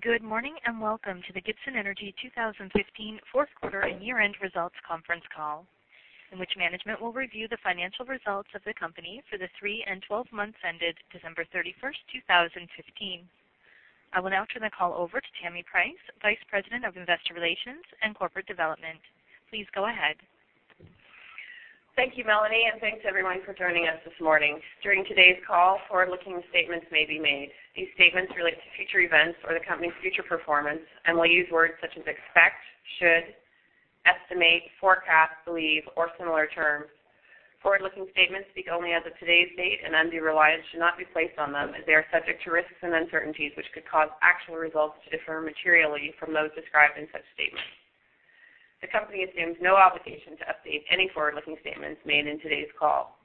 Good morning, and welcome to the Gibson Energy 2015 fourth quarter and year-end results conference call, in which management will review the financial results of the company for the three and 12 months ended December 31st, 2015. I will now turn the call over to Tammi Price, Vice President of Investor Relations and Corporate Development. Please go ahead. Thank you, Melanie, and thanks everyone for joining us this morning. During today's call, forward-looking statements may be made. These statements relate to future events or the company's future performance and will use words such as expect, should, estimate, forecast, believe, or similar terms. Forward-looking statements speak only as of today's date, and undue reliance should not be placed on them as they are subject to risks and uncertainties which could cause actual results to differ materially from those described in such statements. The company assumes no obligation to update any forward-looking statements made in today's call.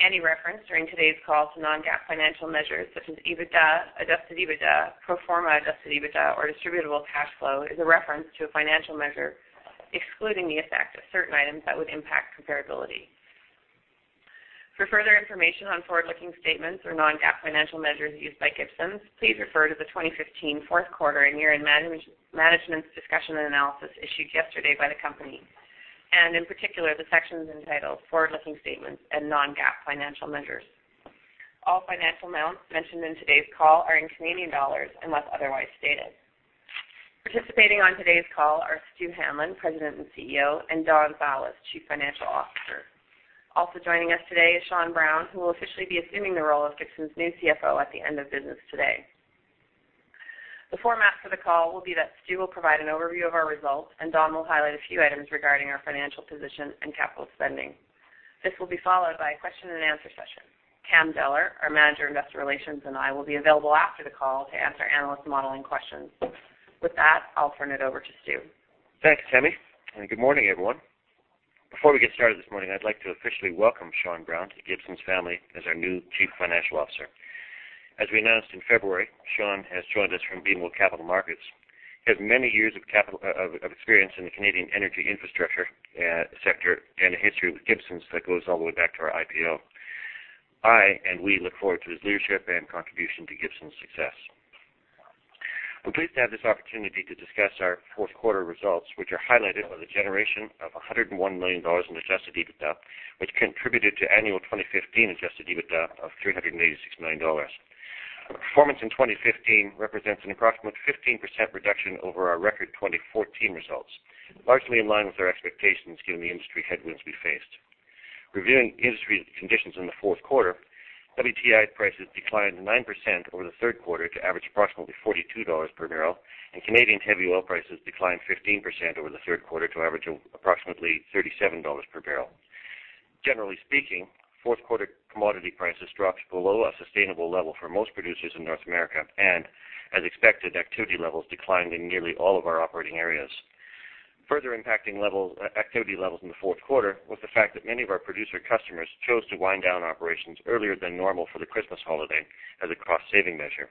Any reference during today's call to non-GAAP financial measures such as EBITDA, adjusted EBITDA, pro forma adjusted EBITDA or distributable cash flow is a reference to a financial measure excluding the effect of certain items that would impact comparability. For further information on forward-looking statements or non-GAAP financial measures used by Gibson, please refer to the 2015 fourth quarter and year-end management's discussion and analysis issued yesterday by the company. In particular, the sections entitled Forward-Looking Statements and Non-GAAP Financial Measures. All financial amounts mentioned in today's call are in Canadian dollars unless otherwise stated. Participating on today's call are Stu Hanlon, President and CEO, and Don Fowlis, Chief Financial Officer. Also joining us today is Sean Brown, who will officially be assuming the role of Gibson new CFO at the end of business today. The format for the call will be that Stu will provide an overview of our results, and Don will highlight a few items regarding our financial position and capital spending. This will be followed by a question and answer session. Cam Deller, our Manager of Investor Relations, and I will be available after the call to answer analyst modeling questions. With that, I'll turn it over to Stu. Thanks, Tammi, and good morning, everyone. Before we get started this morning, I'd like to officially welcome Sean Brown to Gibson family as our new Chief Financial Officer. As we announced in February, Sean has joined us from BMO Capital Markets, has many years of experience in the Canadian energy infrastructure sector, and a history with Gibson that goes all the way back to our IPO. I and we look forward to his leadership and contribution to Gibson success. I'm pleased to have this opportunity to discuss our fourth quarter results, which are highlighted by the generation of 101 million dollars in adjusted EBITDA, which contributed to annual 2015 adjusted EBITDA of 386 million dollars. Our performance in 2015 represents an approximate 15% reduction over our record 2014 results, largely in line with our expectations, given the industry headwinds we faced. Reviewing industry conditions in the fourth quarter, WTI prices declined 9% over the third quarter to average approximately $42 per barrel, and Canadian heavy oil prices declined 15% over the third quarter to average approximately $37 per barrel. Generally speaking, fourth quarter commodity prices dropped below a sustainable level for most producers in North America, and as expected, activity levels declined in nearly all of our operating areas. Further impacting activity levels in the fourth quarter was the fact that many of our producer customers chose to wind down operations earlier than normal for the Christmas holiday as a cost-saving measure.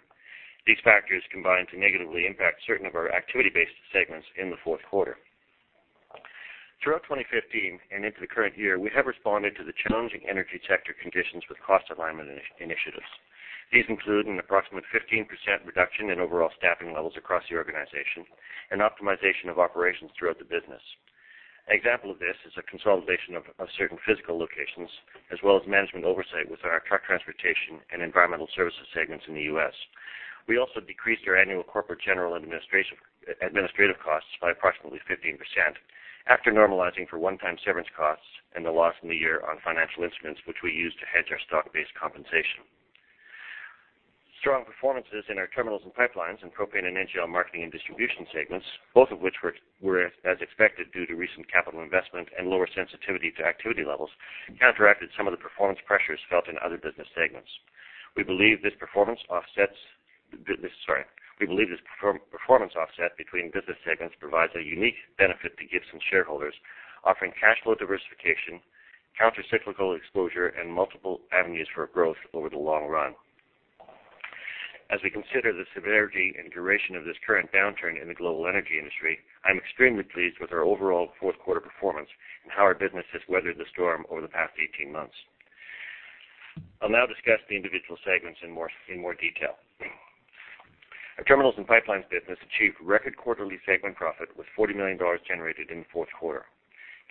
These factors combined to negatively impact certain of our activity-based segments in the fourth quarter. Throughout 2015 and into the current year, we have responded to the challenging energy sector conditions with cost alignment initiatives. These include an approximate 15% reduction in overall staffing levels across the organization and optimization of operations throughout the business. An example of this is a consolidation of certain physical locations as well as management oversight with our Truck Transportation and Environmental Services segments in the U.S. We also decreased our annual corporate general administrative costs by approximately 15% after normalizing for one-time severance costs and the loss in the year on financial instruments, which we use to hedge our stock-based compensation. Strong performances in our Terminals and Pipelines and Propane and NGL Marketing and Distribution segments, both of which were as expected due to recent capital investment and lower sensitivity to activity levels, counteracted some of the performance pressures felt in other business segments. We believe this performance offset between business segments provides a unique benefit to Gibson shareholders, offering cash flow diversification, counter-cyclical exposure, and multiple avenues for growth over the long run. As we consider the severity and duration of this current downturn in the global energy industry, I'm extremely pleased with our overall fourth quarter performance and how our business has weathered the storm over the past 18 months. I'll now discuss the individual segments in more detail. Our Terminals and Pipelines business achieved record quarterly segment profit with 40 million dollars generated in the fourth quarter.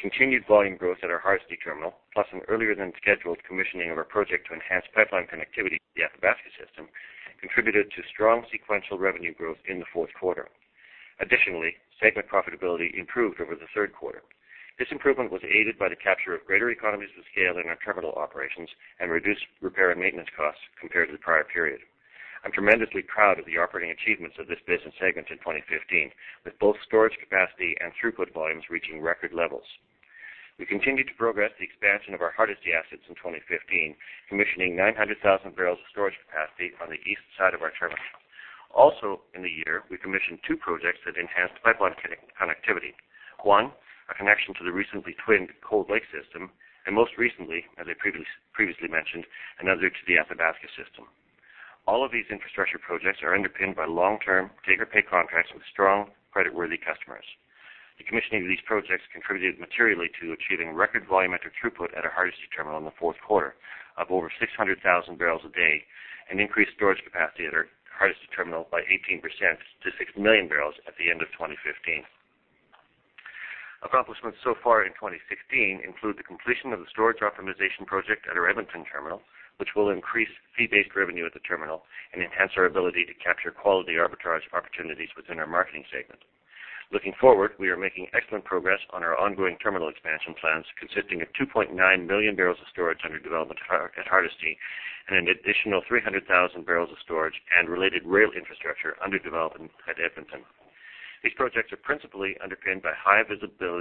Continued volume growth at our Hardisty Terminal, plus an earlier-than-scheduled commissioning of our project to enhance pipeline connectivity to the Athabasca System, contributed to strong sequential revenue growth in the fourth quarter. Additionally, segment profitability improved over the third quarter. This improvement was aided by the capture of greater economies of scale in our terminal operations and reduced repair and maintenance costs compared to the prior period. I'm tremendously proud of the operating achievements of this business segment in 2015, with both storage capacity and throughput volumes reaching record levels. We continued to progress the expansion of our Hardisty assets in 2015, commissioning 900,000 barrels of storage capacity on the east side of our terminal. Also in the year, we commissioned two projects that enhanced pipeline connectivity. One, a connection to the recently twinned Cold Lake System, and most recently, as I previously mentioned, another to the Athabasca System. All of these infrastructure projects are underpinned by long-term take-or-pay contracts with strong creditworthy customers. The commissioning of these projects contributed materially to achieving record volumetric throughput at our Hardisty Terminal in the fourth quarter of over 600,000 barrels a day and increased storage capacity at our Hardisty Terminal by 18% to 6 million barrels at the end of 2015. Accomplishments so far in 2016 include the completion of the storage optimization project at our Edmonton Terminal, which will increase fee-based revenue at the terminal and enhance our ability to capture quality arbitrage opportunities within our marketing segment. Looking forward, we are making excellent progress on our ongoing terminal expansion plans, consisting of 2.9 million barrels of storage under development at Hardisty and an additional 300,000 barrels of storage and related rail infrastructure under development at Edmonton. These projects are principally underpinned by high visible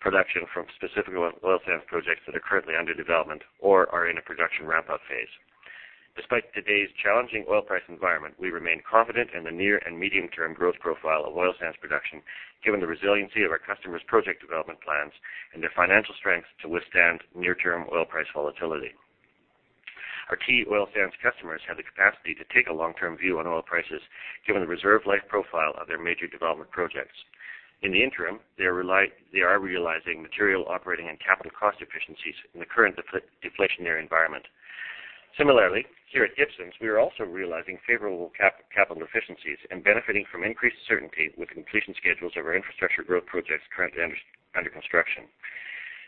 production from specific oil sands projects that are currently under development or are in a production ramp-up phase. Despite today's challenging oil price environment, we remain confident in the near and medium-term growth profile of oil sands production, given the resiliency of our customers' project development plans and their financial strength to withstand near-term oil price volatility. Our key oil sands customers have the capacity to take a long-term view on oil prices, given the reserve life profile of their major development projects. In the interim, they are realizing material operating and capital cost efficiencies in the current deflationary environment. Similarly, here at Gibson, we are also realizing favorable capital efficiencies and benefiting from increased certainty with completion schedules of our infrastructure growth projects currently under construction.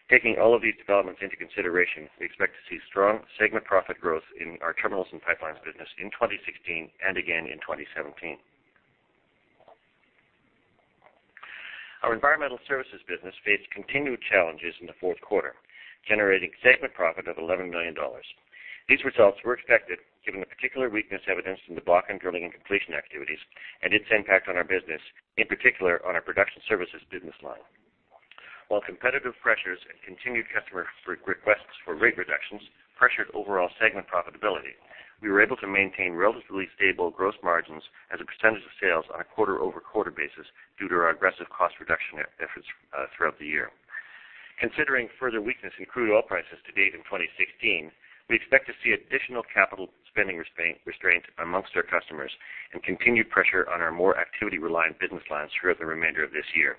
Taking all of these developments into consideration, we expect to see strong segment profit growth in our Terminals and Pipelines business in 2016 and again in 2017. Our Environmental Services business faced continued challenges in the fourth quarter, generating segment profit of 11 million dollars. These results were expected given the particular weakness evidenced in the Bakken drilling and completion activities and its impact on our business, in particular on our production services business line. While competitive pressures and continued customer requests for rate reductions pressured overall segment profitability, we were able to maintain relatively stable gross margins as a percentage of sales on a quarter-over-quarter basis due to our aggressive cost reduction efforts throughout the year. Considering further weakness in crude oil prices to date in 2016, we expect to see additional capital spending restraint amongst our customers and continued pressure on our more activity-reliant business lines throughout the remainder of this year.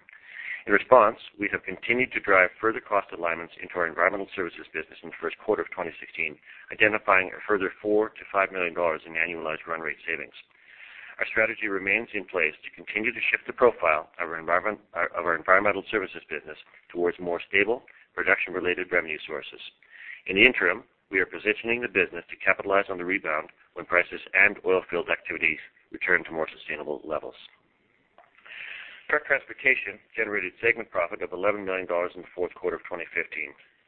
In response, we have continued to drive further cost alignments into our Environmental Services business in the first quarter of 2016, identifying a further 4 million-5 million dollars in annualized run rate savings. Our strategy remains in place to continue to shift the profile of our Environmental Services business towards more stable production-related revenue sources. In the interim, we are positioning the business to capitalize on the rebound when prices and oilfield activities return to more sustainable levels. Truck Transportation generated segment profit of 11 million dollars in the fourth quarter of 2015,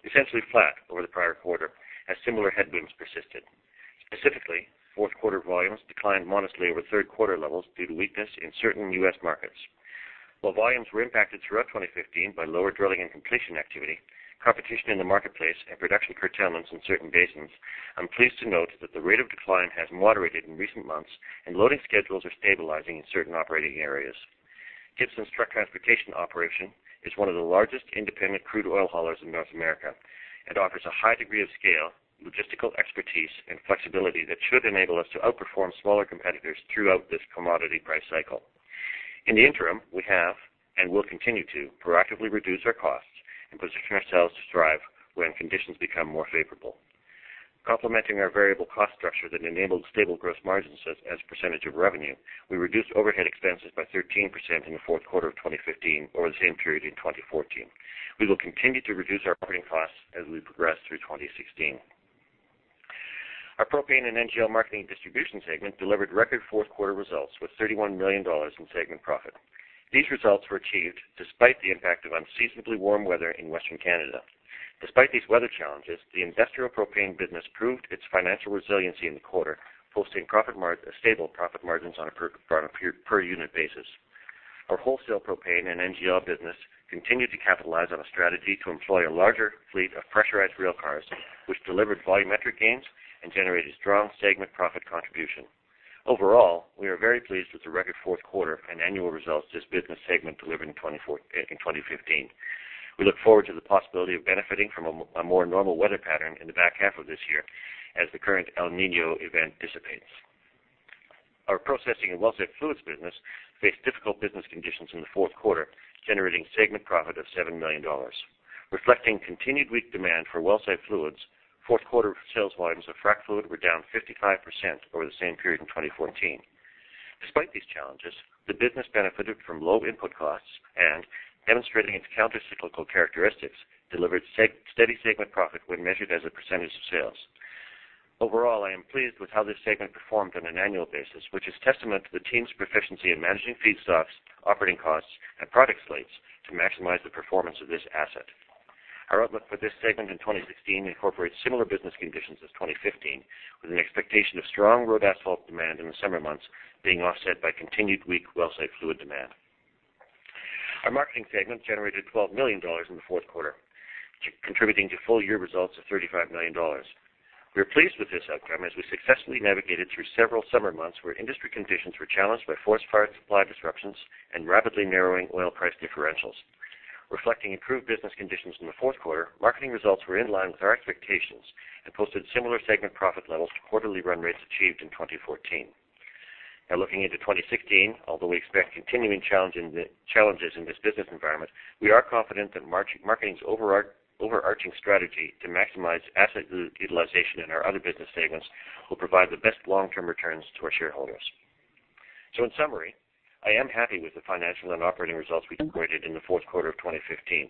essentially flat over the prior quarter as similar headwinds persisted. Specifically, fourth quarter volumes declined modestly over third quarter levels due to weakness in certain U.S. markets. While volumes were impacted throughout 2015 by lower drilling and completion activity, competition in the marketplace, and production curtailments in certain basins, I'm pleased to note that the rate of decline has moderated in recent months and loading schedules are stabilizing in certain operating areas. Gibson Truck Transportation operation is one of the largest independent crude oil haulers in North America. It offers a high degree of scale, logistical expertise, and flexibility that should enable us to outperform smaller competitors throughout this commodity price cycle. In the interim, we have and will continue to proactively reduce our costs and position ourselves to thrive when conditions become more favorable. Complementing our variable cost structure that enabled stable gross margins as a percentage of revenue, we reduced overhead expenses by 13% in the fourth quarter of 2015 over the same period in 2014. We will continue to reduce our operating costs as we progress through 2016. Our Propane and NGL Marketing and Distribution segment delivered record fourth quarter results with 31 million dollars in segment profit. These results were achieved despite the impact of unseasonably warm weather in Western Canada. Despite these weather challenges, the industrial propane business proved its financial resiliency in the quarter, posting stable profit margins on a per-unit basis. Our wholesale propane and NGL business continued to capitalize on a strategy to employ a larger fleet of pressurized railcars, which delivered volumetric gains and generated strong segment profit contribution. Overall, we are very pleased with the record fourth quarter and annual results this business segment delivered in 2015. We look forward to the possibility of benefiting from a more normal weather pattern in the back half of this year as the current El Niño event dissipates. Our Processing and Wellsite Fluids business faced difficult business conditions in the fourth quarter, generating segment profit of 7 million dollars. Reflecting continued weak demand for wellsite fluids, fourth quarter sales volumes of frac fluid were down 55% over the same period in 2014. Despite these challenges, the business benefited from low input costs and, demonstrating its countercyclical characteristics, delivered steady segment profit when measured as a percentage of sales. Overall, I am pleased with how this segment performed on an annual basis, which is testament to the team's proficiency in managing feedstocks, operating costs, and product slates to maximize the performance of this asset. Our outlook for this segment in 2016 incorporates similar business conditions as 2015, with an expectation of strong road asphalt demand in the summer months being offset by continued weak wellsite fluid demand. Our marketing segment generated 12 million dollars in the fourth quarter, contributing to full-year results of 35 million dollars. We are pleased with this outcome as we successfully navigated through several summer months where industry conditions were challenged by forced supply disruptions and rapidly narrowing oil price differentials. Reflecting improved business conditions in the fourth quarter, marketing results were in line with our expectations and posted similar segment profit levels to quarterly run rates achieved in 2014. Now looking into 2016, although we expect continuing challenges in this business environment, we are confident that marketing's overarching strategy to maximize asset utilization in our other business segments will provide the best long-term returns to our shareholders. In summary, I am happy with the financial and operating results we reported in the fourth quarter of 2015.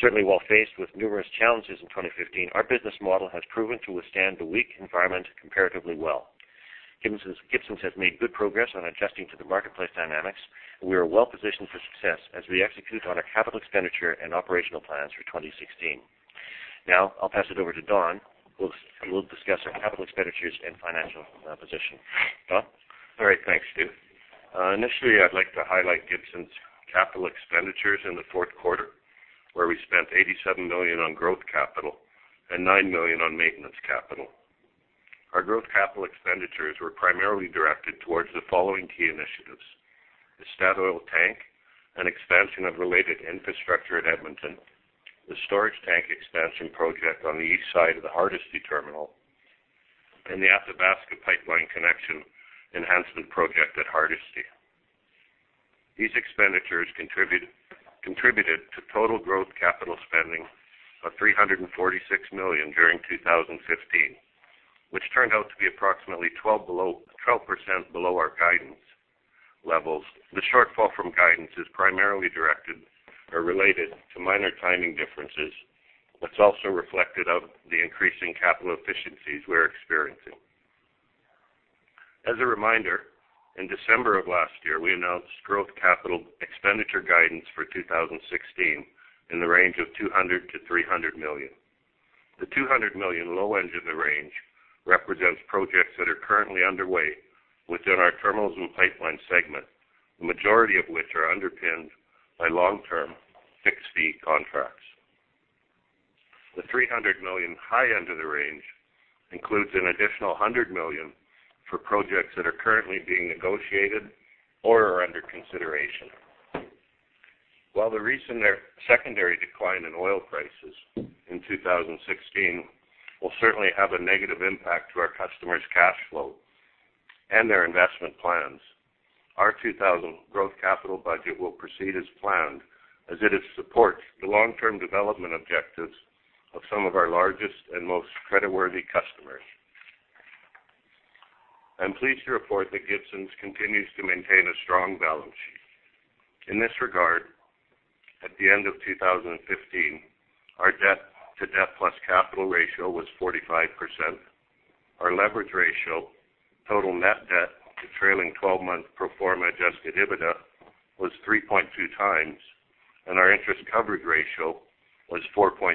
Certainly, while faced with numerous challenges in 2015, our business model has proven to withstand the weak environment comparatively well. Gibson has made good progress on adjusting to the marketplace dynamics, and we are well positioned for success as we execute on our capital expenditure and operational plans for 2016. Now I'll pass it over to Don, who will discuss our capital expenditures and financial position. Don? All right. Thanks, Stu. Initially, I'd like to highlight Gibson capital expenditures in the fourth quarter, where we spent 87 million on growth capital and 9 million on maintenance capital. Our growth capital expenditures were primarily directed towards the following key initiatives, the Statoil tank and expansion of related infrastructure at Edmonton, the storage tank expansion project on the east side of the Hardisty Terminal, and the Athabasca pipeline connection enhancement project at Hardisty. These expenditures contributed to total growth capital spending of 346 million during 2015, which turned out to be approximately 12% below our guidance levels. The shortfall from guidance is primarily directed or related to minor timing differences, but it's also reflective of the increasing capital efficiencies we're experiencing. As a reminder, in December of last year, we announced growth capital expenditure guidance for 2016 in the range of 200 million-300 million. The 200 million low end of the range represents projects that are currently underway within our terminals and pipeline segment, the majority of which are underpinned by long-term fixed-fee contracts. The 300 million high end of the range includes an additional 100 million for projects that are currently being negotiated or are under consideration. While the recent secondary decline in oil prices in 2016 will certainly have a negative impact to our customers' cash flow and their investment plans, our growth capital budget will proceed as planned as it supports the long-term development objectives of some of our largest and most creditworthy customers. I'm pleased to report that Gibson continues to maintain a strong balance sheet. In this regard, at the end of 2015, our debt-to-debt-plus-capital ratio was 45%. Our leverage ratio, total net debt to trailing 12-month pro forma adjusted EBITDA, was 3.2x, and our interest coverage ratio was 4.6x.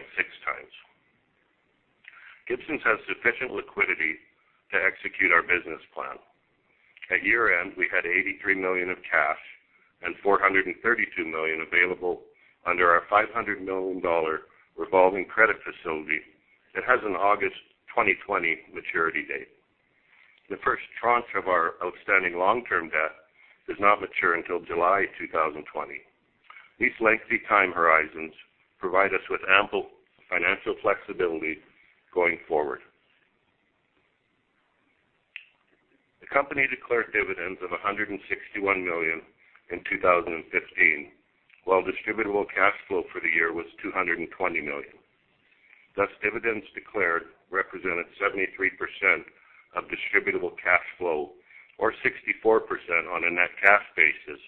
Gibson Energy has sufficient liquidity to execute our business plan. At year-end, we had 83 million of cash and 432 million available under our 500 million dollar revolving credit facility that has an August 2020 maturity date. The first tranche of our outstanding long-term debt does not mature until July 2020. These lengthy time horizons provide us with ample financial flexibility going forward. The company declared dividends of 161 million in 2015, while distributable cash flow for the year was 220 million. Thus, dividends declared represented 73% of distributable cash flow, or 64% on a net cash basis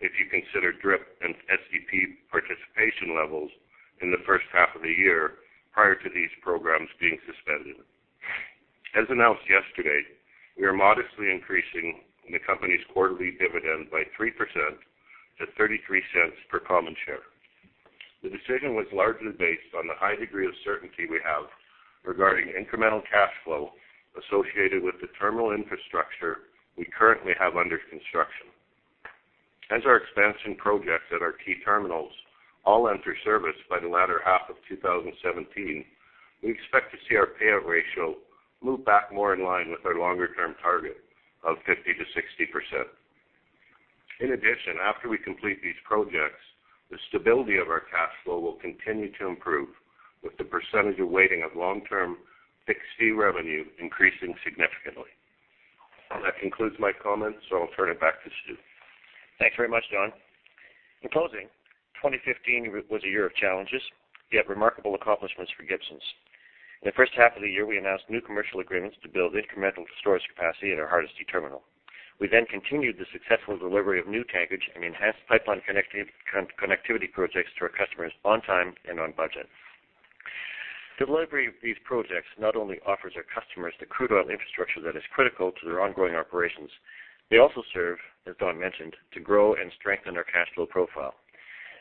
if you consider DRIP and SDP participation levels in the first half of the year prior to these programs being suspended. As announced yesterday, we are modestly increasing the company's quarterly dividend by 3% to 0.33 per common share. The decision was largely based on the high degree of certainty we have regarding incremental cash flow associated with the terminal infrastructure we currently have under construction. As our expansion projects at our key terminals all enter service by the latter half of 2017, we expect to see our payout ratio move back more in line with our longer-term target of 50%-60%. In addition, after we complete these projects, the stability of our cash flow will continue to improve, with the percentage of weighting of long-term fixed-fee revenue increasing significantly. That concludes my comments. I'll turn it back to Stu. Thanks very much, Don. In closing, 2015 was a year of challenges, yet remarkable accomplishments for Gibson Energy. In the first half of the year, we announced new commercial agreements to build incremental storage capacity at our Hardisty Terminal. We then continued the successful delivery of new tankage and enhanced pipeline connectivity projects to our customers on time and on budget. Delivery of these projects not only offers our customers the crude oil infrastructure that is critical to their ongoing operations, they also serve, as Don mentioned, to grow and strengthen our cash flow profile.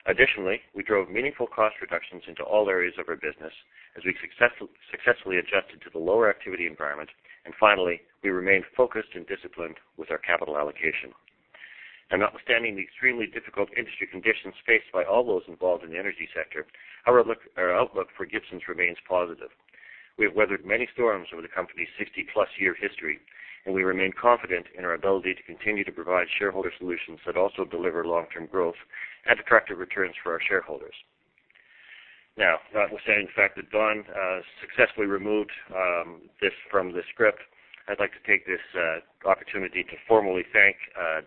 Additionally, we drove meaningful cost reductions into all areas of our business as we successfully adjusted to the lower activity environment, and finally, we remained focused and disciplined with our capital allocation. Notwithstanding the extremely difficult industry conditions faced by all those involved in the energy sector, our outlook for Gibson remains positive. We have weathered many storms over the company's 60-plus year history, and we remain confident in our ability to continue to provide shareholder solutions that also deliver long-term growth and attractive returns for our shareholders. Now, notwithstanding the fact that Don successfully removed this from the script, I'd like to take this opportunity to formally thank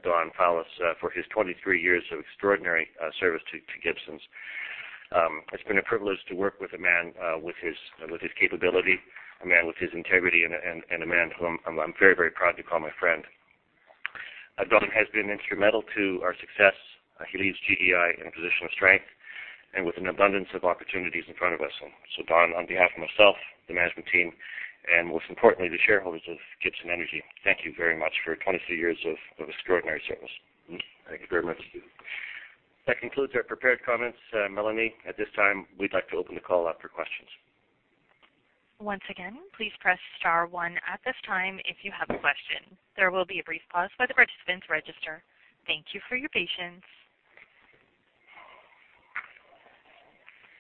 Don Fowlis for his 23 years of extraordinary service to Gibson. It's been a privilege to work with a man with his capability, a man with his integrity, and a man whom I'm very proud to call my friend. Don has been instrumental to our success. He leaves GEI in a position of strength and with an abundance of opportunities in front of us. Don, on behalf of myself, the management team, and most importantly, the shareholders of Gibson Energy, thank you very much for 23 years of extraordinary service. Thank you very much, Stu. That concludes our prepared comments. Melanie, at this time, we'd like to open the call up for questions. Once again, please press star one at this time if you have a question. There will be a brief pause while the participants register. Thank you for your patience.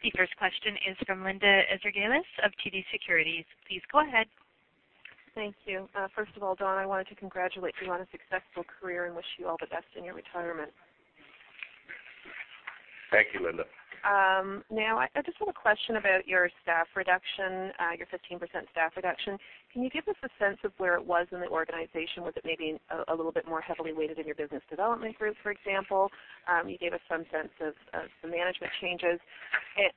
The first question is from Linda Ezergailis of TD Securities. Please go ahead. Thank you. First of all, Don, I wanted to congratulate you on a successful career and wish you all the best in your retirement. Thank you, Linda. Now, I just have a question about your staff reduction, your 15% staff reduction. Can you give us a sense of where it was in the organization? Was it maybe a little bit more heavily weighted in your business development group, for example? You gave us some sense of the management changes.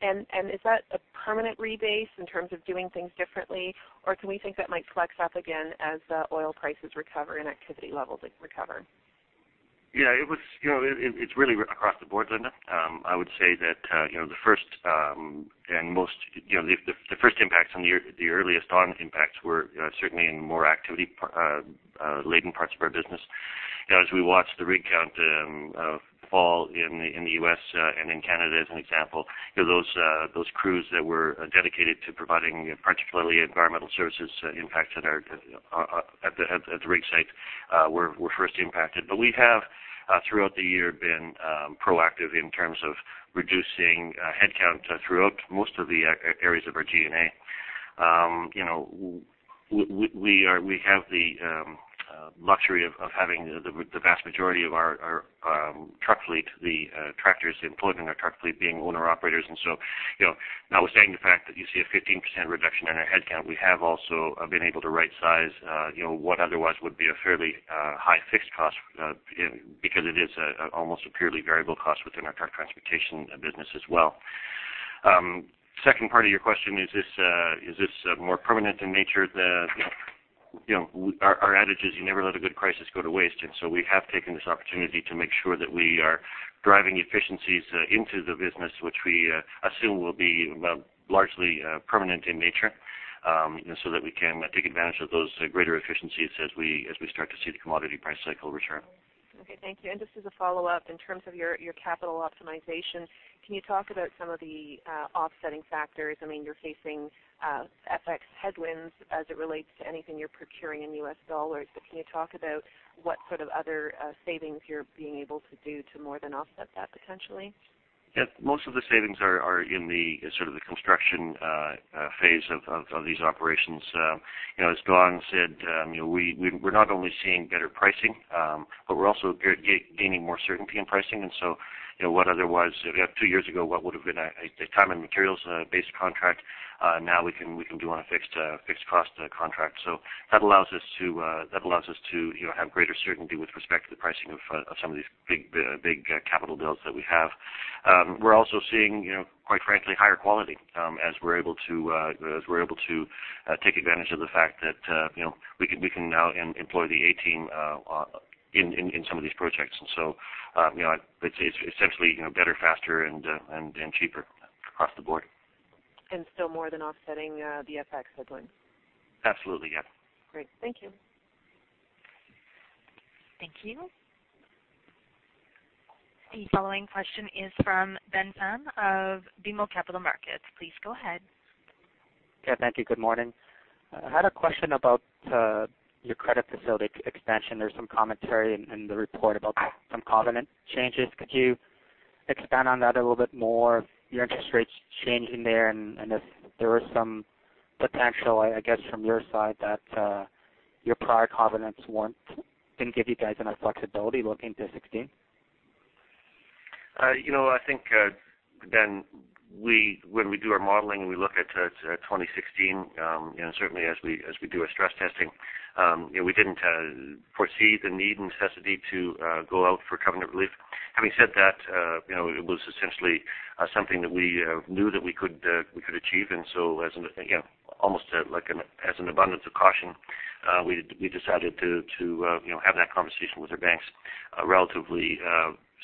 Is that a permanent rebase in terms of doing things differently, or can we think that might flex up again as oil prices recover and activity levels recover? Yeah, it's really across the board, Linda. I would say that the first impacts and the earliest impacts were certainly in more activity-laden parts of our business. As we watched the rig count fall in the U.S. and in Canada, as an example, those crews that were dedicated to providing particularly Environmental Services impacts at the rig site were first impacted. We have, throughout the year, been proactive in terms of reducing headcount throughout most of the areas of our G&A. We have the luxury of having the vast majority of our truck fleet, the tractors employed in our truck fleet, being owner-operators. Notwithstanding the fact that you see a 15% reduction in our headcount, we have also been able to right-size what otherwise would be a fairly high fixed cost, because it is almost a purely variable cost within our Truck Transportation business as well. Second part of your question, is this more permanent in nature? Our adage is you never let a good crisis go to waste, and so we have taken this opportunity to make sure that we are driving efficiencies into the business, which we assume will be largely permanent in nature, so that we can take advantage of those greater efficiencies as we start to see the commodity price cycle return. Okay, thank you. Just as a follow-up, in terms of your capital optimization, can you talk about some of the offsetting factors? I mean, you're facing FX headwinds as it relates to anything you're procuring in U.S. dollars, but can you talk about what sort of other savings you're being able to do to more than offset that potentially? Yeah. Most of the savings are in the sort of construction phase of these operations. As Don said, we're not only seeing better pricing, but we're also gaining more certainty in pricing. What otherwise, two years ago, what would've been a time-and-materials-based contract, now we can do on a fixed cost contract. That allows us to have greater certainty with respect to the pricing of some of these big capital builds that we have. We're also seeing, quite frankly, higher quality as we're able to take advantage of the fact that we can now employ the A team in some of these projects. It's essentially better, faster, and cheaper across the board. Still more than offsetting the FX headwinds. Absolutely, yeah. Great. Thank you. Thank you. The following question is from Benjamin Pham of BMO Capital Markets. Please go ahead. Yeah, thank you. Good morning. I had a question about your credit facility expansion. There's some commentary in the report about some covenant changes. Could you expand on that a little bit more, your interest rates changing there, and if there was some potential, I guess, from your side that your prior covenants didn't give you guys enough flexibility looking to 2016? I think, Ben, when we do our modeling and we look at 2016, certainly as we do our stress testing, we didn't foresee the need and necessity to go out for covenant relief. Having said that, it was essentially something that we knew that we could achieve, and so almost like as an abundance of caution, we decided to have that conversation with our banks, a relatively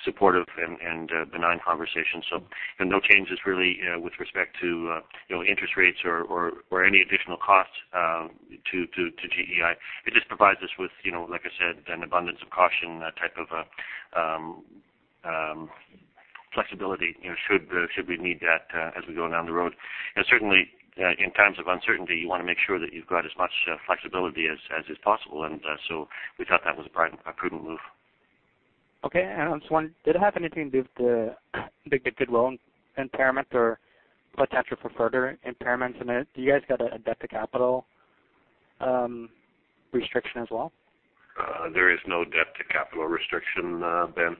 supportive and benign conversation. No changes really with respect to interest rates or any additional costs to GEI. It just provides us with, like I said, an abundance of caution type of flexibility should we need that as we go down the road. Certainly, in times of uncertainty, you want to make sure that you've got as much flexibility as is possible, and so we thought that was a prudent move. Okay. I'm just wondering, did it have anything to do with the goodwill impairment or potential for further impairments in it? Do you guys get a debt to capital restriction as well? There is no debt to capital restriction, Ben.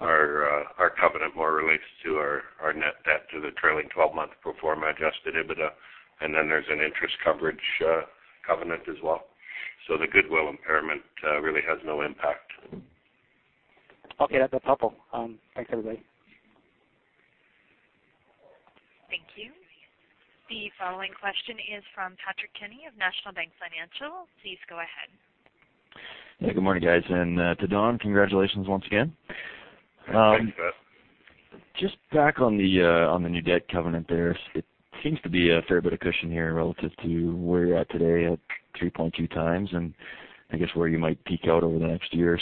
Our covenant more relates to our net debt to the trailing 12-month pro forma adjusted EBITDA, and then there's an interest coverage covenant as well. The goodwill impairment really has no impact. Okay. That's helpful. Thanks, everybody. Thank you. The following question is from Patrick Kenny of National Bank Financial. Please go ahead. Yeah. Good morning, guys. To Don, congratulations once again. Thanks, Pat. Just back on the new debt covenant there, it seems to be a fair bit of cushion here relative to where you're at today at 3.2x, and I guess where you might peak out over the next year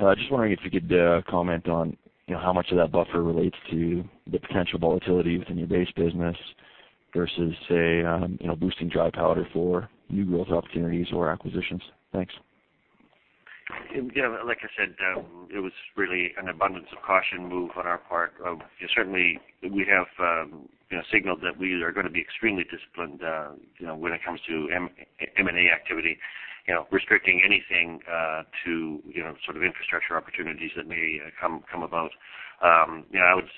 or so. Just wondering if you could comment on how much of that buffer relates to the potential volatility within your base business versus, say, boosting dry powder for new growth opportunities or acquisitions. Thanks. Yeah, like I said, it was really an abundance-of-caution move on our part. Certainly, we have signaled that we are going to be extremely disciplined when it comes to M&A activity, restricting anything to infrastructure opportunities that may come about. I would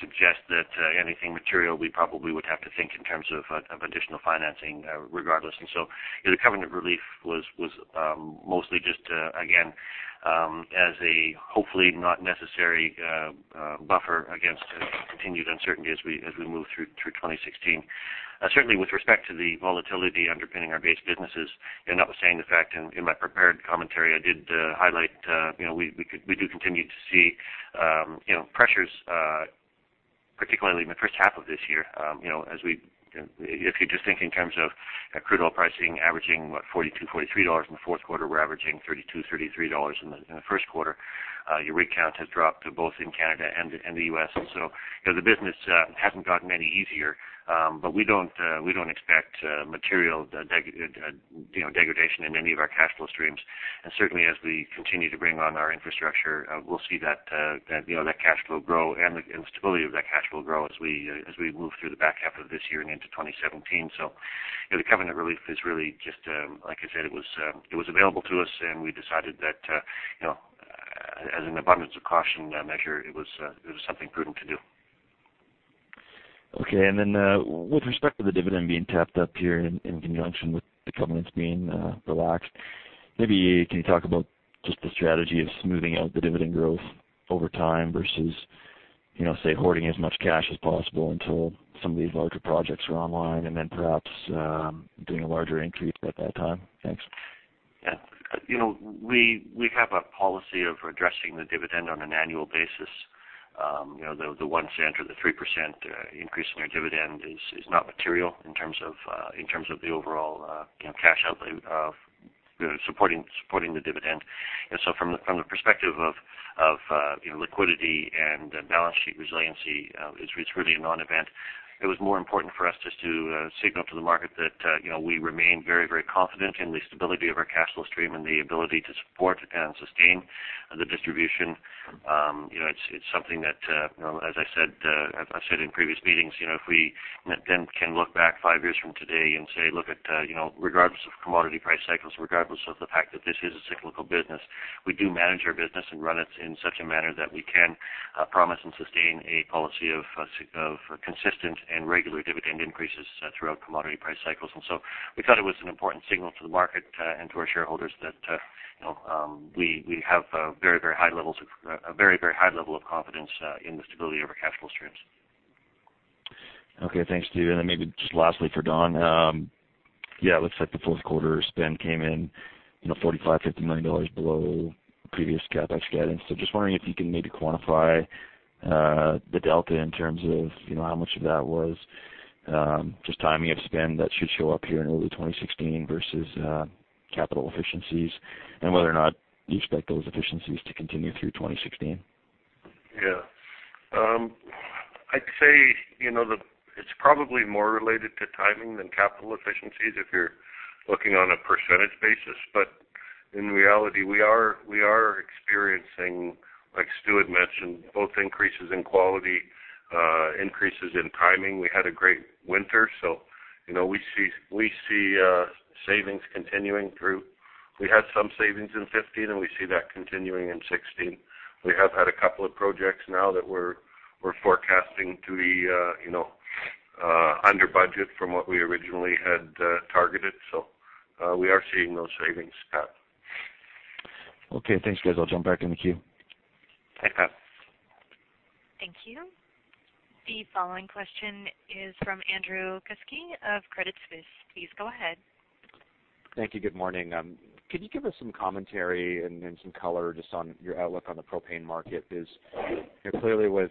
suggest that anything material, we probably would have to think in terms of additional financing regardless. The covenant relief was mostly just, again, as a hopefully not necessary buffer against continued uncertainty as we move through 2016. Certainly, with respect to the volatility underpinning our base businesses, and that, in fact, in my prepared commentary, I did highlight we do continue to see pressures, particularly in the first half of this year. If you just think in terms of crude oil pricing averaging, what, $42-$43 in the fourth quarter, we're averaging $32-$33 in the first quarter. Your rig count has dropped both in Canada and the U.S. The business hasn't gotten any easier. We don't expect material degradation in any of our cash flow streams. Certainly as we continue to bring on our infrastructure, we'll see that cash flow grow and the stability of that cash flow grow as we move through the back half of this year and into 2017. The covenant relief is really just, like I said, it was available to us, and we decided that as an abundance of caution measure, it was something prudent to do. Okay. With respect to the dividend being tapped up here in conjunction with the covenants being relaxed, maybe can you talk about just the strategy of smoothing out the dividend growth over time versus, say, hoarding as much cash as possible until some of these larger projects are online and then perhaps doing a larger increase at that time? Thanks. Yeah. We have a policy of addressing the dividend on an annual basis. The 0.01 or the 3% increase in our dividend is not material in terms of the overall cash outlay of supporting the dividend. From the perspective of liquidity and balance sheet resiliency, it's really a non-event. It was more important for us just to signal to the market that we remain very confident in the stability of our cash flow stream and the ability to support and sustain the distribution. It's something that, as I've said in previous meetings, if we then can look back five years from today and say, look at, regardless of commodity price cycles, regardless of the fact that this is a cyclical business, we do manage our business and run it in such a manner that we can promise and sustain a policy of consistent and regular dividend increases throughout commodity price cycles. We thought it was an important signal to the market and to our shareholders that we have a very high level of confidence in the stability of our cash flow streams. Okay. Thanks, Stuart. Maybe just lastly for Don. Yeah, it looks like the fourth quarter spend came in 45 million-50 million dollars below previous CapEx guidance. Just wondering if you can maybe quantify the delta in terms of how much of that was just timing of spend that should show up here in early 2016 versus capital efficiencies, and whether or not you expect those efficiencies to continue through 2016. Yeah. I'd say, it's probably more related to timing than capital efficiencies if you're looking on a percentage basis. In reality, we are experiencing, like Stuart mentioned, both increases in quality, increases in timing. We had a great winter, so we see savings continuing through. We had some savings in 2015, and we see that continuing in 2016. We have had a couple of projects now that we're forecasting to be under budget from what we originally had targeted. We are seeing those savings, Pat. Okay, thanks, guys. I'll jump back in the queue. Thanks, Pat. Thank you. The following question is from Andrew Kuske of Credit Suisse. Please go ahead. Thank you. Good morning. Can you give us some commentary and then some color just on your outlook on the propane market? Because clearly with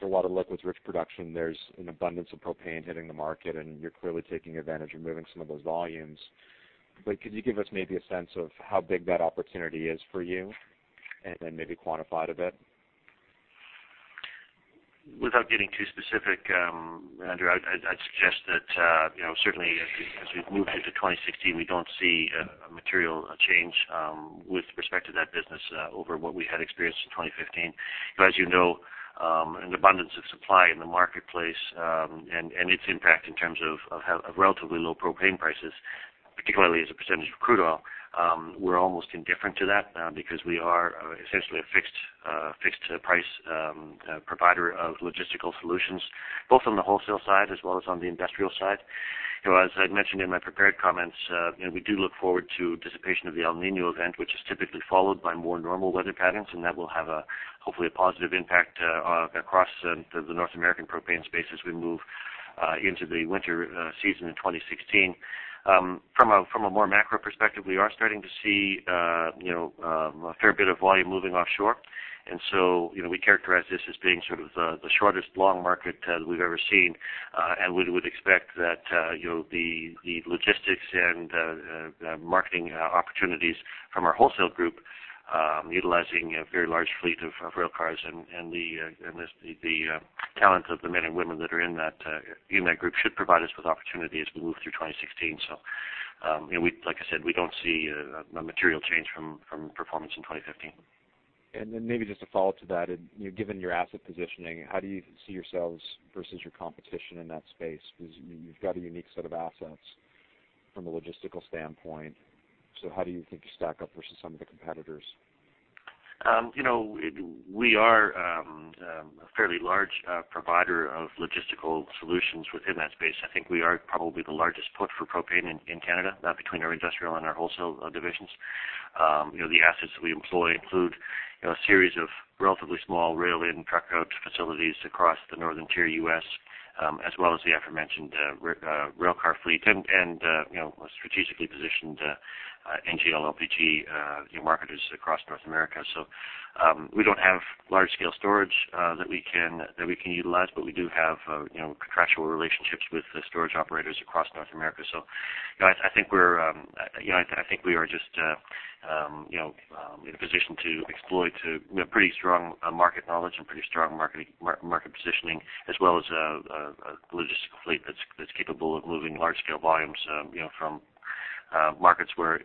a lot of liquids rich production, there's an abundance of propane hitting the market, and you're clearly taking advantage and moving some of those volumes. Could you give us maybe a sense of how big that opportunity is for you and then maybe quantify it a bit? Without getting too specific, Andrew, I'd suggest that certainly as we've moved into 2016, we don't see a material change with respect to that business over what we had experienced in 2015. As you know, an abundance of supply in the marketplace and its impact in terms of relatively low propane prices, particularly as a percentage of crude oil, we're almost indifferent to that because we are essentially a fixed-price provider of logistical solutions, both on the wholesale side as well as on the industrial side. As I mentioned in my prepared comments, we do look forward to dissipation of the El Niño event, which is typically followed by more normal weather patterns, and that will have, hopefully, a positive impact across the North American propane space as we move into the winter season in 2016. From a more macro perspective, we are starting to see a fair bit of volume moving offshore. We characterize this as being sort of the shortest long market we've ever seen. We would expect that the logistics and marketing opportunities from our wholesale group, utilizing a very large fleet of railcars and the talent of the men and women that are in that group should provide us with opportunities as we move through 2016. Like I said, we don't see a material change from performance in 2015. Maybe just a follow-up to that, given your asset positioning, how do you see yourselves versus your competition in that space? Because you've got a unique set of assets from a logistical standpoint. How do you think you stack up versus some of the competitors? We are a fairly large provider of logistical solutions within that space. I think we are probably the largest port for propane in Canada, between our industrial and our wholesale divisions. The assets that we employ include a series of relatively small rail and truck out facilities across the northern tier U.S., as well as the aforementioned railcar fleet, and strategically positioned NGL, LPG marketers across North America. We don't have large-scale storage that we can utilize, but we do have contractual relationships with storage operators across North America. I think we are just in a position to exploit pretty strong market knowledge and pretty strong market positioning, as well as a logistical fleet that's capable of moving large-scale volumes from markets where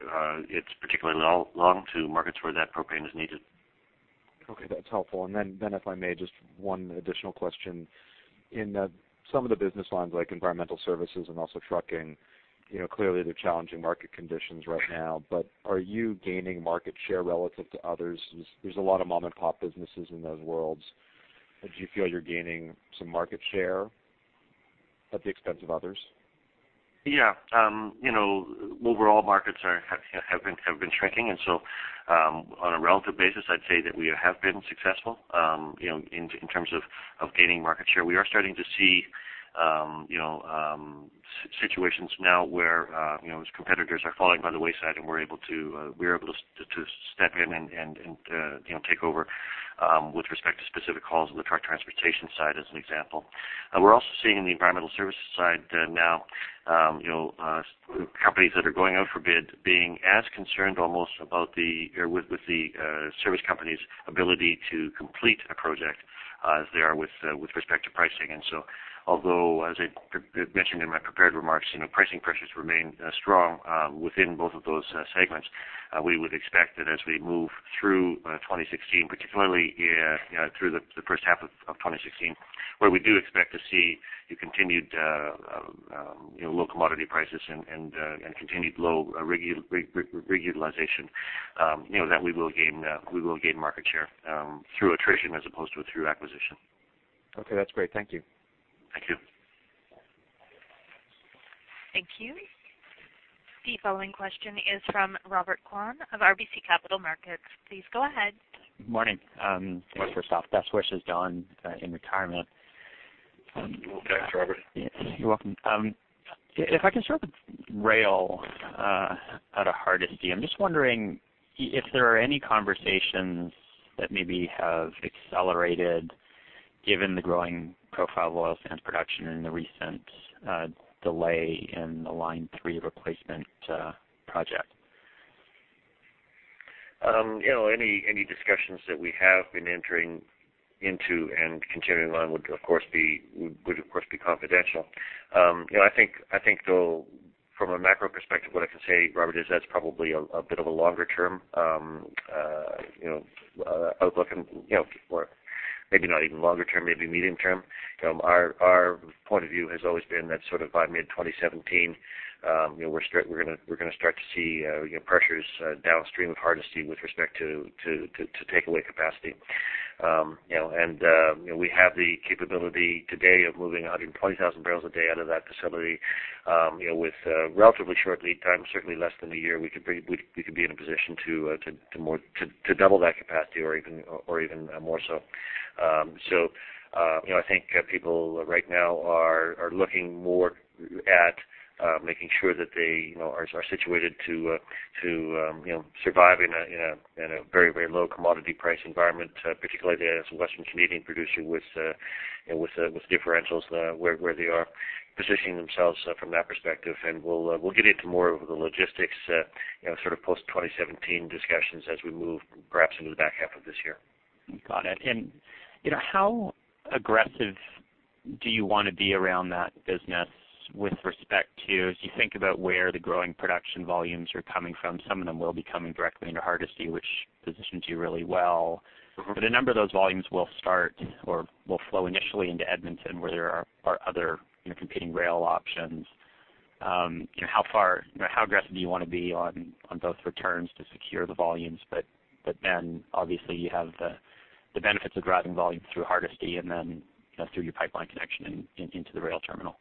it's particularly long to markets where that propane is needed. Okay. That's helpful. If I may, just one additional question. In some of the business lines, like Environmental Services and also trucking, clearly there are challenging market conditions right now, but are you gaining market share relative to others? There's a lot of mom-and-pop businesses in those worlds. Do you feel you're gaining some market share at the expense of others? Yeah. Overall markets have been shrinking, and so, on a relative basis, I'd say that we have been successful in terms of gaining market share. We are starting to see situations now where competitors are falling by the wayside, and we're able to step in and take over with respect to specific hauls on the Truck Transportation side as an example. We're also seeing in the Environmental Services side now, companies that are going out for bid being as concerned almost with the service company's ability to complete a project as they are with respect to pricing. Although, as I mentioned in my prepared remarks, pricing pressures remain strong within both of those segments, we would expect that as we move through 2016, particularly through the first half of 2016, where we do expect to see the continued low commodity prices and continued low rig utilization, that we will gain market share through attrition as opposed to through acquisition. Okay. That's great. Thank you. Thank you. Thank you. The following question is from Robert Kwan of RBC Capital Markets. Please go ahead. Morning. Morning. First off, best wishes, Don, in retirement. Thanks, Robert. You're welcome. If I can start with rail out of Hardisty, I'm just wondering if there are any conversations that maybe have accelerated given the growing profile of oil sands production and the recent delay in the Line 3 Replacement Project. Any discussions that we have been entering into and continuing on would, of course, be confidential. I think though from a macro perspective, what I can say, Robert, is that's probably a bit of a longer-term outlook, or maybe not even longer term, maybe medium term. Our point of view has always been that sort of by mid-2017, we're going to start to see pressures downstream of Hardisty with respect to takeaway capacity. We have the capability today of moving 120,000 barrels a day out of that facility with relatively short lead times. Certainly less than a year, we could be in a position to double that capacity or even more so. I think people right now are looking more at making sure that they are situated to survive in a very, very low commodity price environment, particularly as a Western Canadian producer with differentials where they are positioning themselves from that perspective. We'll get into more of the logistics, sort of post-2017 discussions as we move perhaps into the back half of this year. Got it. How aggressive do you want to be around that business with respect to, as you think about where the growing production volumes are coming from, some of them will be coming directly into Hardisty, which positions you really well. Mm-hmm. A number of those volumes will start or will flow initially into Edmonton, where there are other competing rail options. How aggressive do you want to be on those returns to secure the volumes? Obviously you have the benefits of driving volume through Hardisty and then through your pipeline connection into the rail terminal.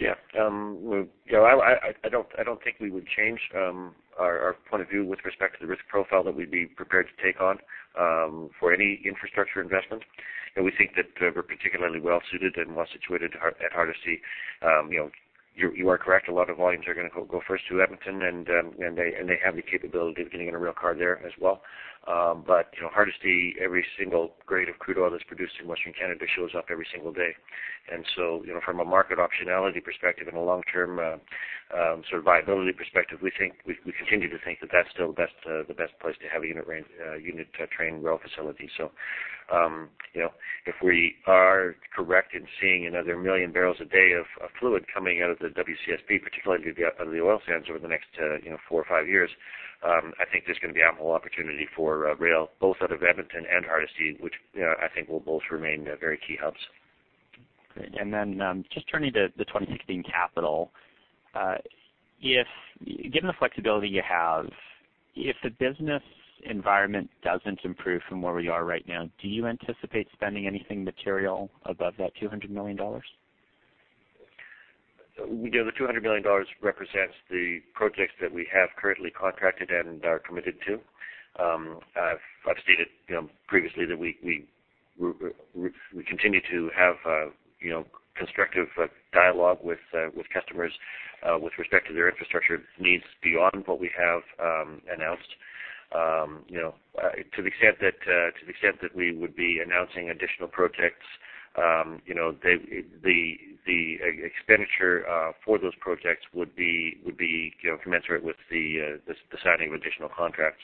Yeah. I don't think we would change our point of view with respect to the risk profile that we'd be prepared to take on for any infrastructure investment, and we think that we're particularly well-suited and well-situated at Hardisty. You are correct, a lot of volumes are going to go first to Edmonton, and they have the capability of getting in a rail car there as well. Hardisty, every single grade of crude oil that's produced in Western Canada shows up every single day. From a market optionality perspective and a long-term sort of viability perspective, we continue to think that that's still the best place to have a unit train rail facility. If we are correct in seeing another 1 million barrels a day of fluid coming out of the WCSB, particularly out of the oil sands over the next four or five years, I think there's going to be ample opportunity for rail, both out of Edmonton and Hardisty, which I think will both remain very key hubs. Great. Just turning to the 2016 capital. Given the flexibility you have, if the business environment doesn't improve from where we are right now, do you anticipate spending anything material above that 200 million dollars? The 200 million dollars represents the projects that we have currently contracted and are committed to. I've stated previously that we continue to have constructive dialogue with customers with respect to their infrastructure needs beyond what we have announced. To the extent that we would be announcing additional projects, the expenditure for those projects would be commensurate with the signing of additional contracts,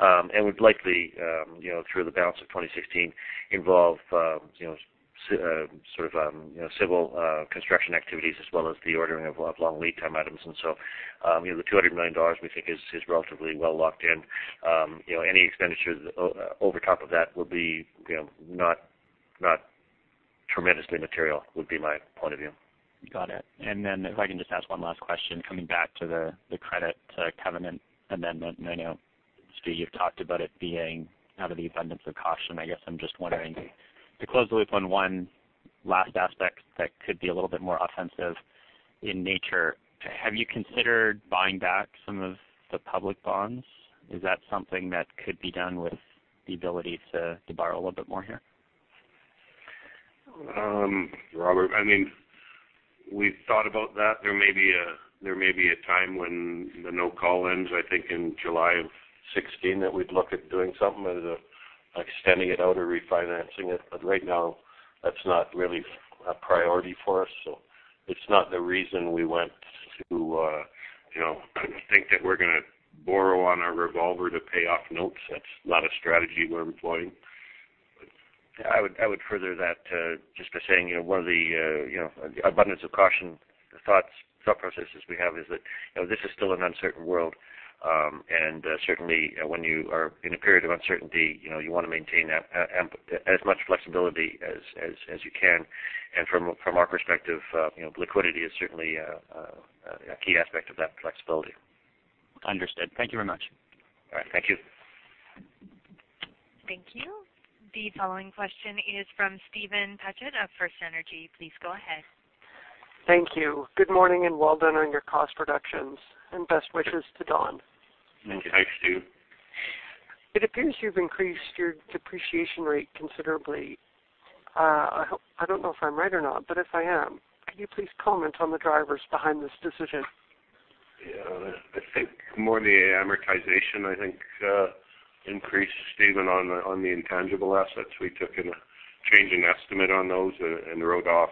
and would likely, through the balance of 2016, involve civil construction activities as well as the ordering of long lead time items. The 200 million dollars we think is relatively well locked in. Any expenditures over top of that would be not tremendously material, would be my point of view. Got it. If I can just ask one last question, coming back to the credit covenant amendment, and I know, Stu, you've talked about it being out of the abundance of caution. I guess I'm just wondering, to close the loop on one last aspect that could be a little bit more offensive in nature, have you considered buying back some of the public bonds? Is that something that could be done with the ability to borrow a little bit more here? Robert, we've thought about that. There may be a time when the no-call ends, I think in July of 2016, that we'd look at doing something, whether extending it out or refinancing it. Right now, that's not really a priority for us. It's not the reason we went to. I don't think that we're going to borrow on our revolver to pay off notes. That's not a strategy we're employing. I would further that just by saying, one of the abundance of caution thought processes we have is that this is still an uncertain world, and certainly when you are in a period of uncertainty, you want to maintain as much flexibility as you can. From our perspective, liquidity is certainly a key aspect of that flexibility. Understood. Thank you very much. All right. Thank you. Thank you. The following question is from Steven Paget of FirstEnergy. Please go ahead. Thank you. Good morning, and well done on your cost reductions, and best wishes to Don. Thank you. Thanks, Stu. It appears you've increased your depreciation rate considerably. I don't know if I'm right or not, but if I am, could you please comment on the drivers behind this decision? Yeah. I think more the amortization, I think, increased, Steven, on the intangible assets. We took a change in estimate on those and wrote off,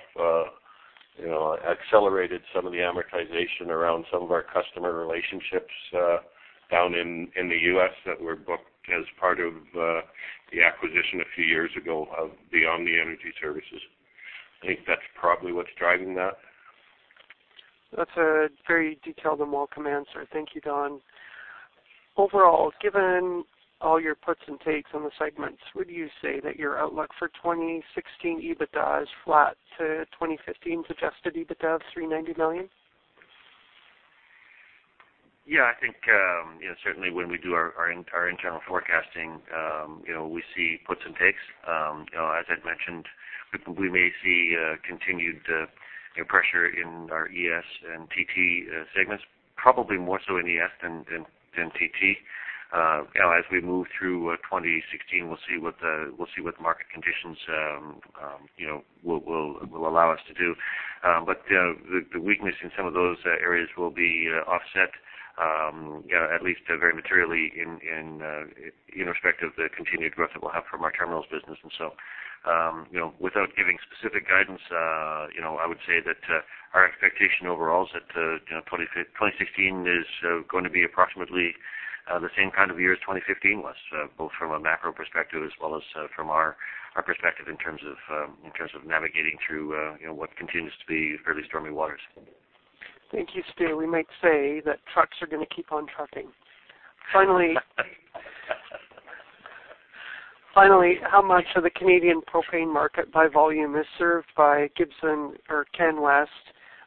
accelerated some of the amortization around some of our customer relationships down in the U.S. that were booked as part of the acquisition a few years ago of OMNI Energy Services. I think that's probably what's driving that. That's a very detailed and welcome answer. Thank you, Don. Overall, given all your puts and takes on the segments, would you say that your outlook for 2016 EBITDA is flat to 2015's adjusted EBITDA of 390 million? Yeah, I think certainly when we do our internal forecasting, we see puts and takes. As I'd mentioned, we may see continued pressure in our ES and TT segments, probably more so in ES than TT. As we move through 2016, we'll see what the market conditions will allow us to do. The weakness in some of those areas will be offset, at least very materially, in respect of the continued growth that we'll have from our terminals business. Without giving specific guidance, I would say that our expectation overall is that 2016 is going to be approximately the same kind of year as 2015 was, both from a macro perspective as well as from our perspective in terms of navigating through what continues to be fairly stormy waters. Thank you, Stu. We might say that trucks are going to keep on trucking. Finally, how much of the Canadian propane market by volume is served by Gibson or Canwest,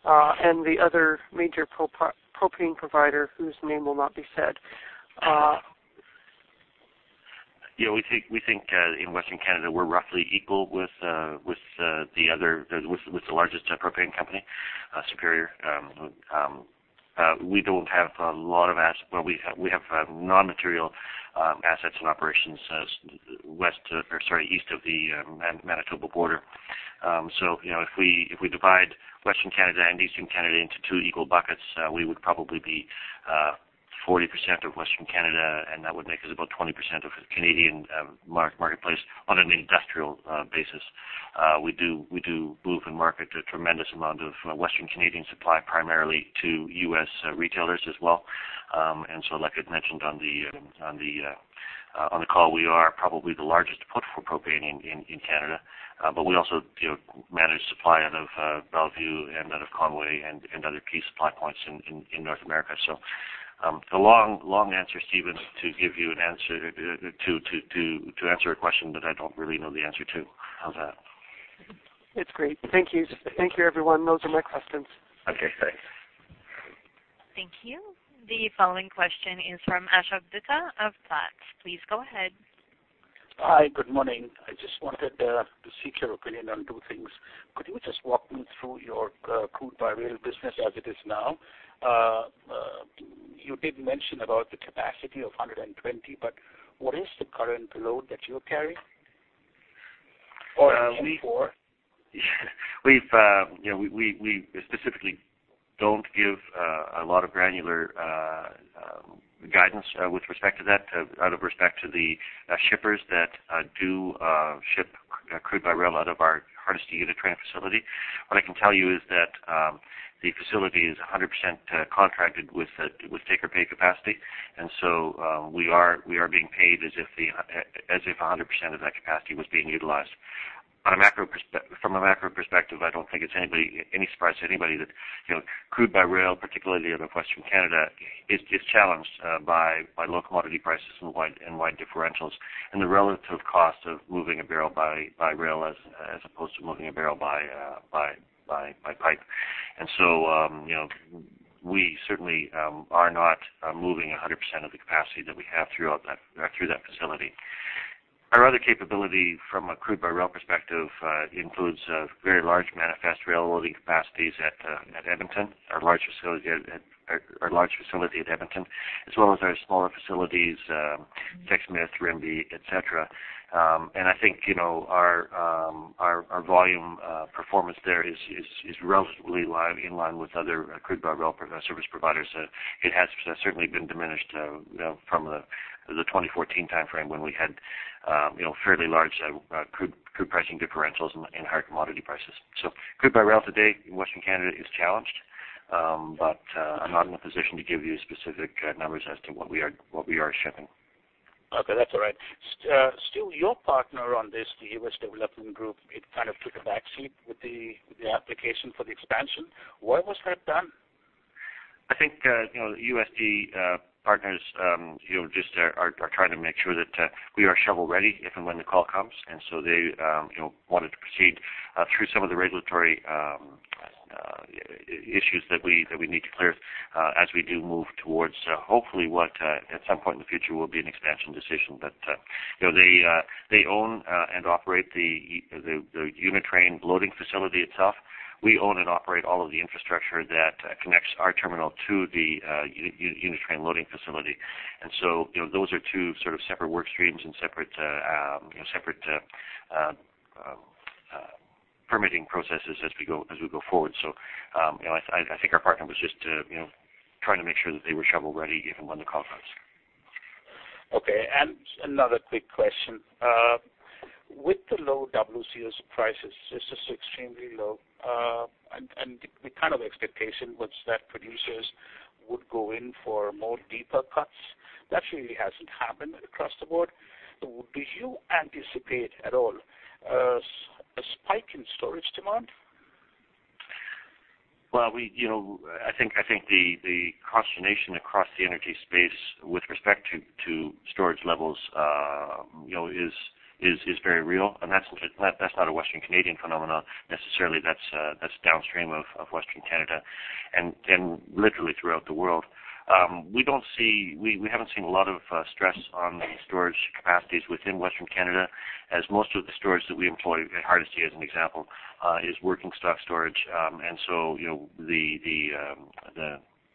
and the other major propane provider whose name will not be said? We think in Western Canada, we're roughly equal with the largest propane company, Superior. We have non-material assets and operations east of the Manitoba border. If we divide Western Canada and Eastern Canada into two equal buckets, we would probably be 40% of Western Canada, and that would make us about 20% of the Canadian marketplace on an industrial basis. We do move and market a tremendous amount of Western Canadian supply, primarily to U.S. retailers as well. Like I'd mentioned on the call, we are probably the largest port for propane in Canada. We also manage supply out of Belvieu and out of Conway and other key supply points in North America. The long answer, Steven, to answer a question that I don't really know the answer to. How's that? It's great. Thank you. Thank you, everyone. Those are my questions. Okay, thanks. Thank you. The following question is from Ashok Dutta of Platts. Please go ahead. Hi, good morning. I just wanted to seek your opinion on two things. Could you just walk me through your crude-by-rail business as it is now? You did mention about the capacity of 120, but what is the current load that you're carrying? Or Q4? We specifically don't give a lot of granular guidance with respect to that, out of respect to the shippers that do ship crude by rail out of our Hardisty unit train facility. What I can tell you is that the facility is 100% contracted with take-or-pay capacity. We are being paid as if 100% of that capacity was being utilized. From a macro perspective, I don't think it's any surprise to anybody that crude by rail, particularly out of Western Canada, is challenged by low commodity prices and wide differentials in the relative cost of moving a barrel by rail as opposed to moving a barrel by pipe. We certainly are not moving 100% of the capacity that we have through that facility. Our other capability from a crude by rail perspective includes very large manifest rail loading capacities at our large facility at Edmonton, as well as our smaller facilities, Sexsmith, Rimbey, et cetera. I think, our volume performance there is relatively in line with other crude-by-rail service providers. It has certainly been diminished from the 2014 timeframe when we had fairly large crude pricing differentials and higher commodity prices. Crude by rail today in Western Canada is challenged, but I'm not in a position to give you specific numbers as to what we are shipping. Okay, that's all right. Stu, your partner on this, the USD Group, it took a back seat with the application for the expansion. Why was that done? I think the USD Partners just are trying to make sure that we are shovel-ready if and when the call comes. They wanted to proceed through some of the regulatory issues that we need to clear as we do move towards hopefully what, at some point in the future, will be an expansion decision. They own and operate the unit train loading facility itself. We own and operate all of the infrastructure that connects our terminal to the unit train loading facility. Those are two separate work streams and separate permitting processes as we go forward. I think our partner was just trying to make sure that they were shovel-ready if and when the call comes. Okay. Another quick question. With the low WCS prices, it's just extremely low. The expectation was that producers would go in for more deeper cuts. That really hasn't happened across the board. Do you anticipate at all a spike in storage demand? Well, I think the consternation across the energy space with respect to storage levels is very real, and that's not a Western Canadian phenomenon necessarily. That's downstream of Western Canada, and literally throughout the world. We haven't seen a lot of stress on storage capacities within Western Canada, as most of the storage that we employ at Hardisty, as an example, is working stock storage.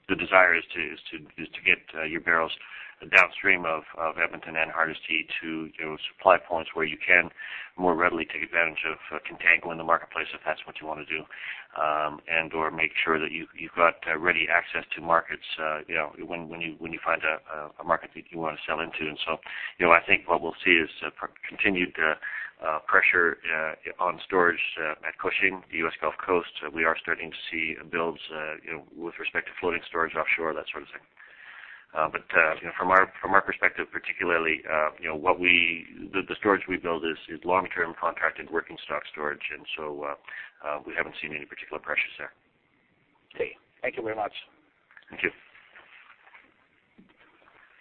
The desire is to get your barrels downstream of Edmonton and Hardisty to supply points where you can more readily take advantage of contango in the marketplace if that's what you want to do, and/or make sure that you've got ready access to markets when you find a market that you want to sell into. I think what we'll see is continued pressure on storage at Cushing, the U.S. Gulf Coast. We are starting to see builds with respect to floating storage offshore, that sort of thing. From our perspective, particularly, the storage we build is long-term contracted working stock storage, and so we haven't seen any particular pressures there. Okay. Thank you very much. Thank you.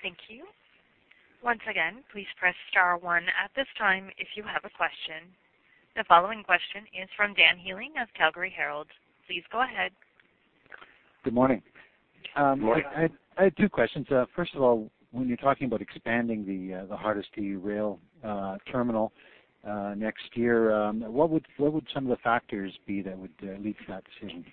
Thank you. Once again, please press star one at this time if you have a question. The following question is from Dan Healing of Calgary Herald. Please go ahead. Good morning. Good morning. I had two questions. First of all, when you're talking about expanding the Hardisty rail terminal next year, what would some of the factors be that would lead to that decision?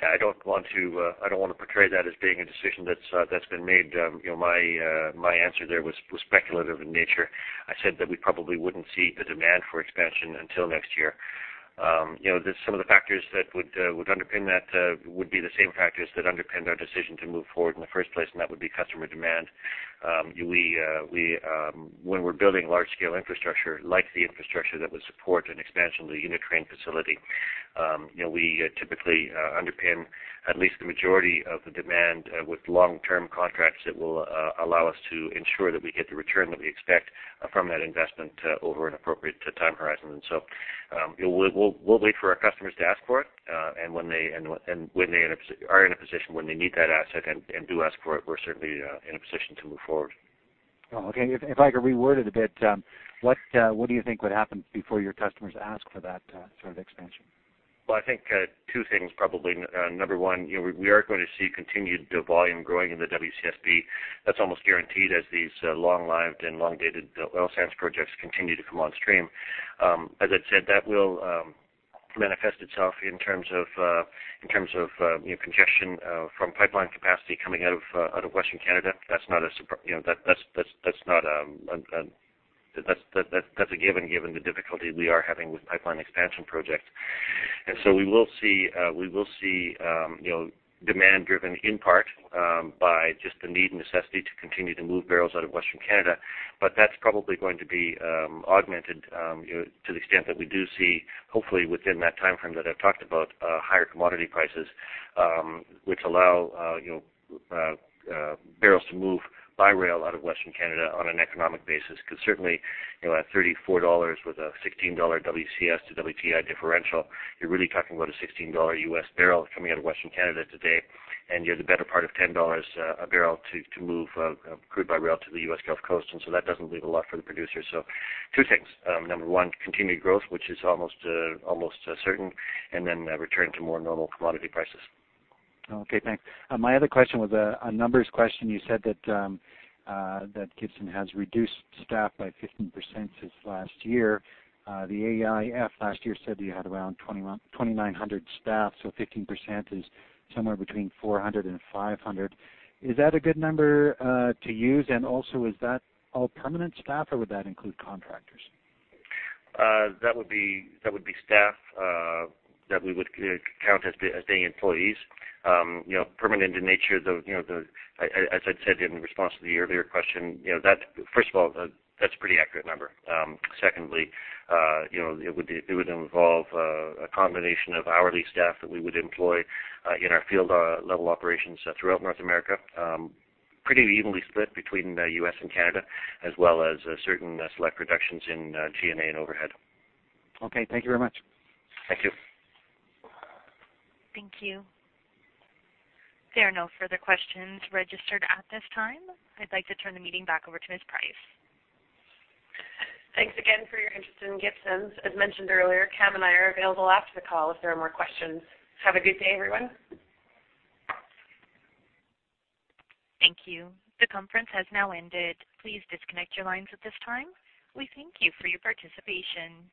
I don't want to portray that as being a decision that's been made. My answer there was speculative in nature. I said that we probably wouldn't see the demand for expansion until next year. Some of the factors that would underpin that would be the same factors that underpinned our decision to move forward in the first place, and that would be customer demand. When we're building large-scale infrastructure like the infrastructure that would support an expansion of the unit train facility, we typically underpin at least the majority of the demand with long-term contracts that will allow us to ensure that we get the return that we expect from that investment over an appropriate time horizon. We'll wait for our customers to ask for it, and when they are in a position when they need that asset and do ask for it, we're certainly in a position to move forward. Oh, okay. If I could reword it a bit, what do you think would happen before your customers ask for that sort of expansion? Well, I think two things probably. Number one, we are going to see continued volume growing in the WCSB. That's almost guaranteed as these long-lived and long-dated oil sands projects continue to come on stream. As I said, that will manifest itself in terms of congestion from pipeline capacity coming out of Western Canada. That's a given the difficulty we are having with pipeline expansion projects. We will see demand driven in part by just the need and necessity to continue to move barrels out of Western Canada, but that's probably going to be augmented to the extent that we do see, hopefully within that timeframe that I've talked about, higher commodity prices, which allow barrels to move by rail out of Western Canada on an economic basis. Because certainly at $34 with a $16 WCS to WTI differential, you're really talking about a $16 U.S. barrel coming out of Western Canada today, and you're the better part of $10 a barrel to move crude by rail to the U.S. Gulf Coast. That doesn't leave a lot for the producer. Two things. Number one, continued growth, which is almost certain, and then a return to more normal commodity prices. Okay, thanks. My other question was a numbers question. You said that Gibson has reduced staff by 15% since last year. The AIF last year said that you had around 2,900 staff, so 15% is somewhere between 400 and 500. Is that a good number to use? And also, is that all permanent staff, or would that include contractors? That would be staff that we would count as being employees. Permanent in nature, as I'd said in response to the earlier question, first of all, that's a pretty accurate number. Secondly, it would involve a combination of hourly staff that we would employ in our field level operations throughout North America, pretty evenly split between the U.S. and Canada, as well as certain select reductions in G&A and overhead. Okay. Thank you very much. Thank you. Thank you. There are no further questions registered at this time. I'd like to turn the meeting back over to Ms. Price. Thanks again for your interest in Gibson. As mentioned earlier, Cam and I are available after the call if there are more questions. Have a good day, everyone. Thank you. The conference has now ended. Please disconnect your lines at this time. We thank you for your participation.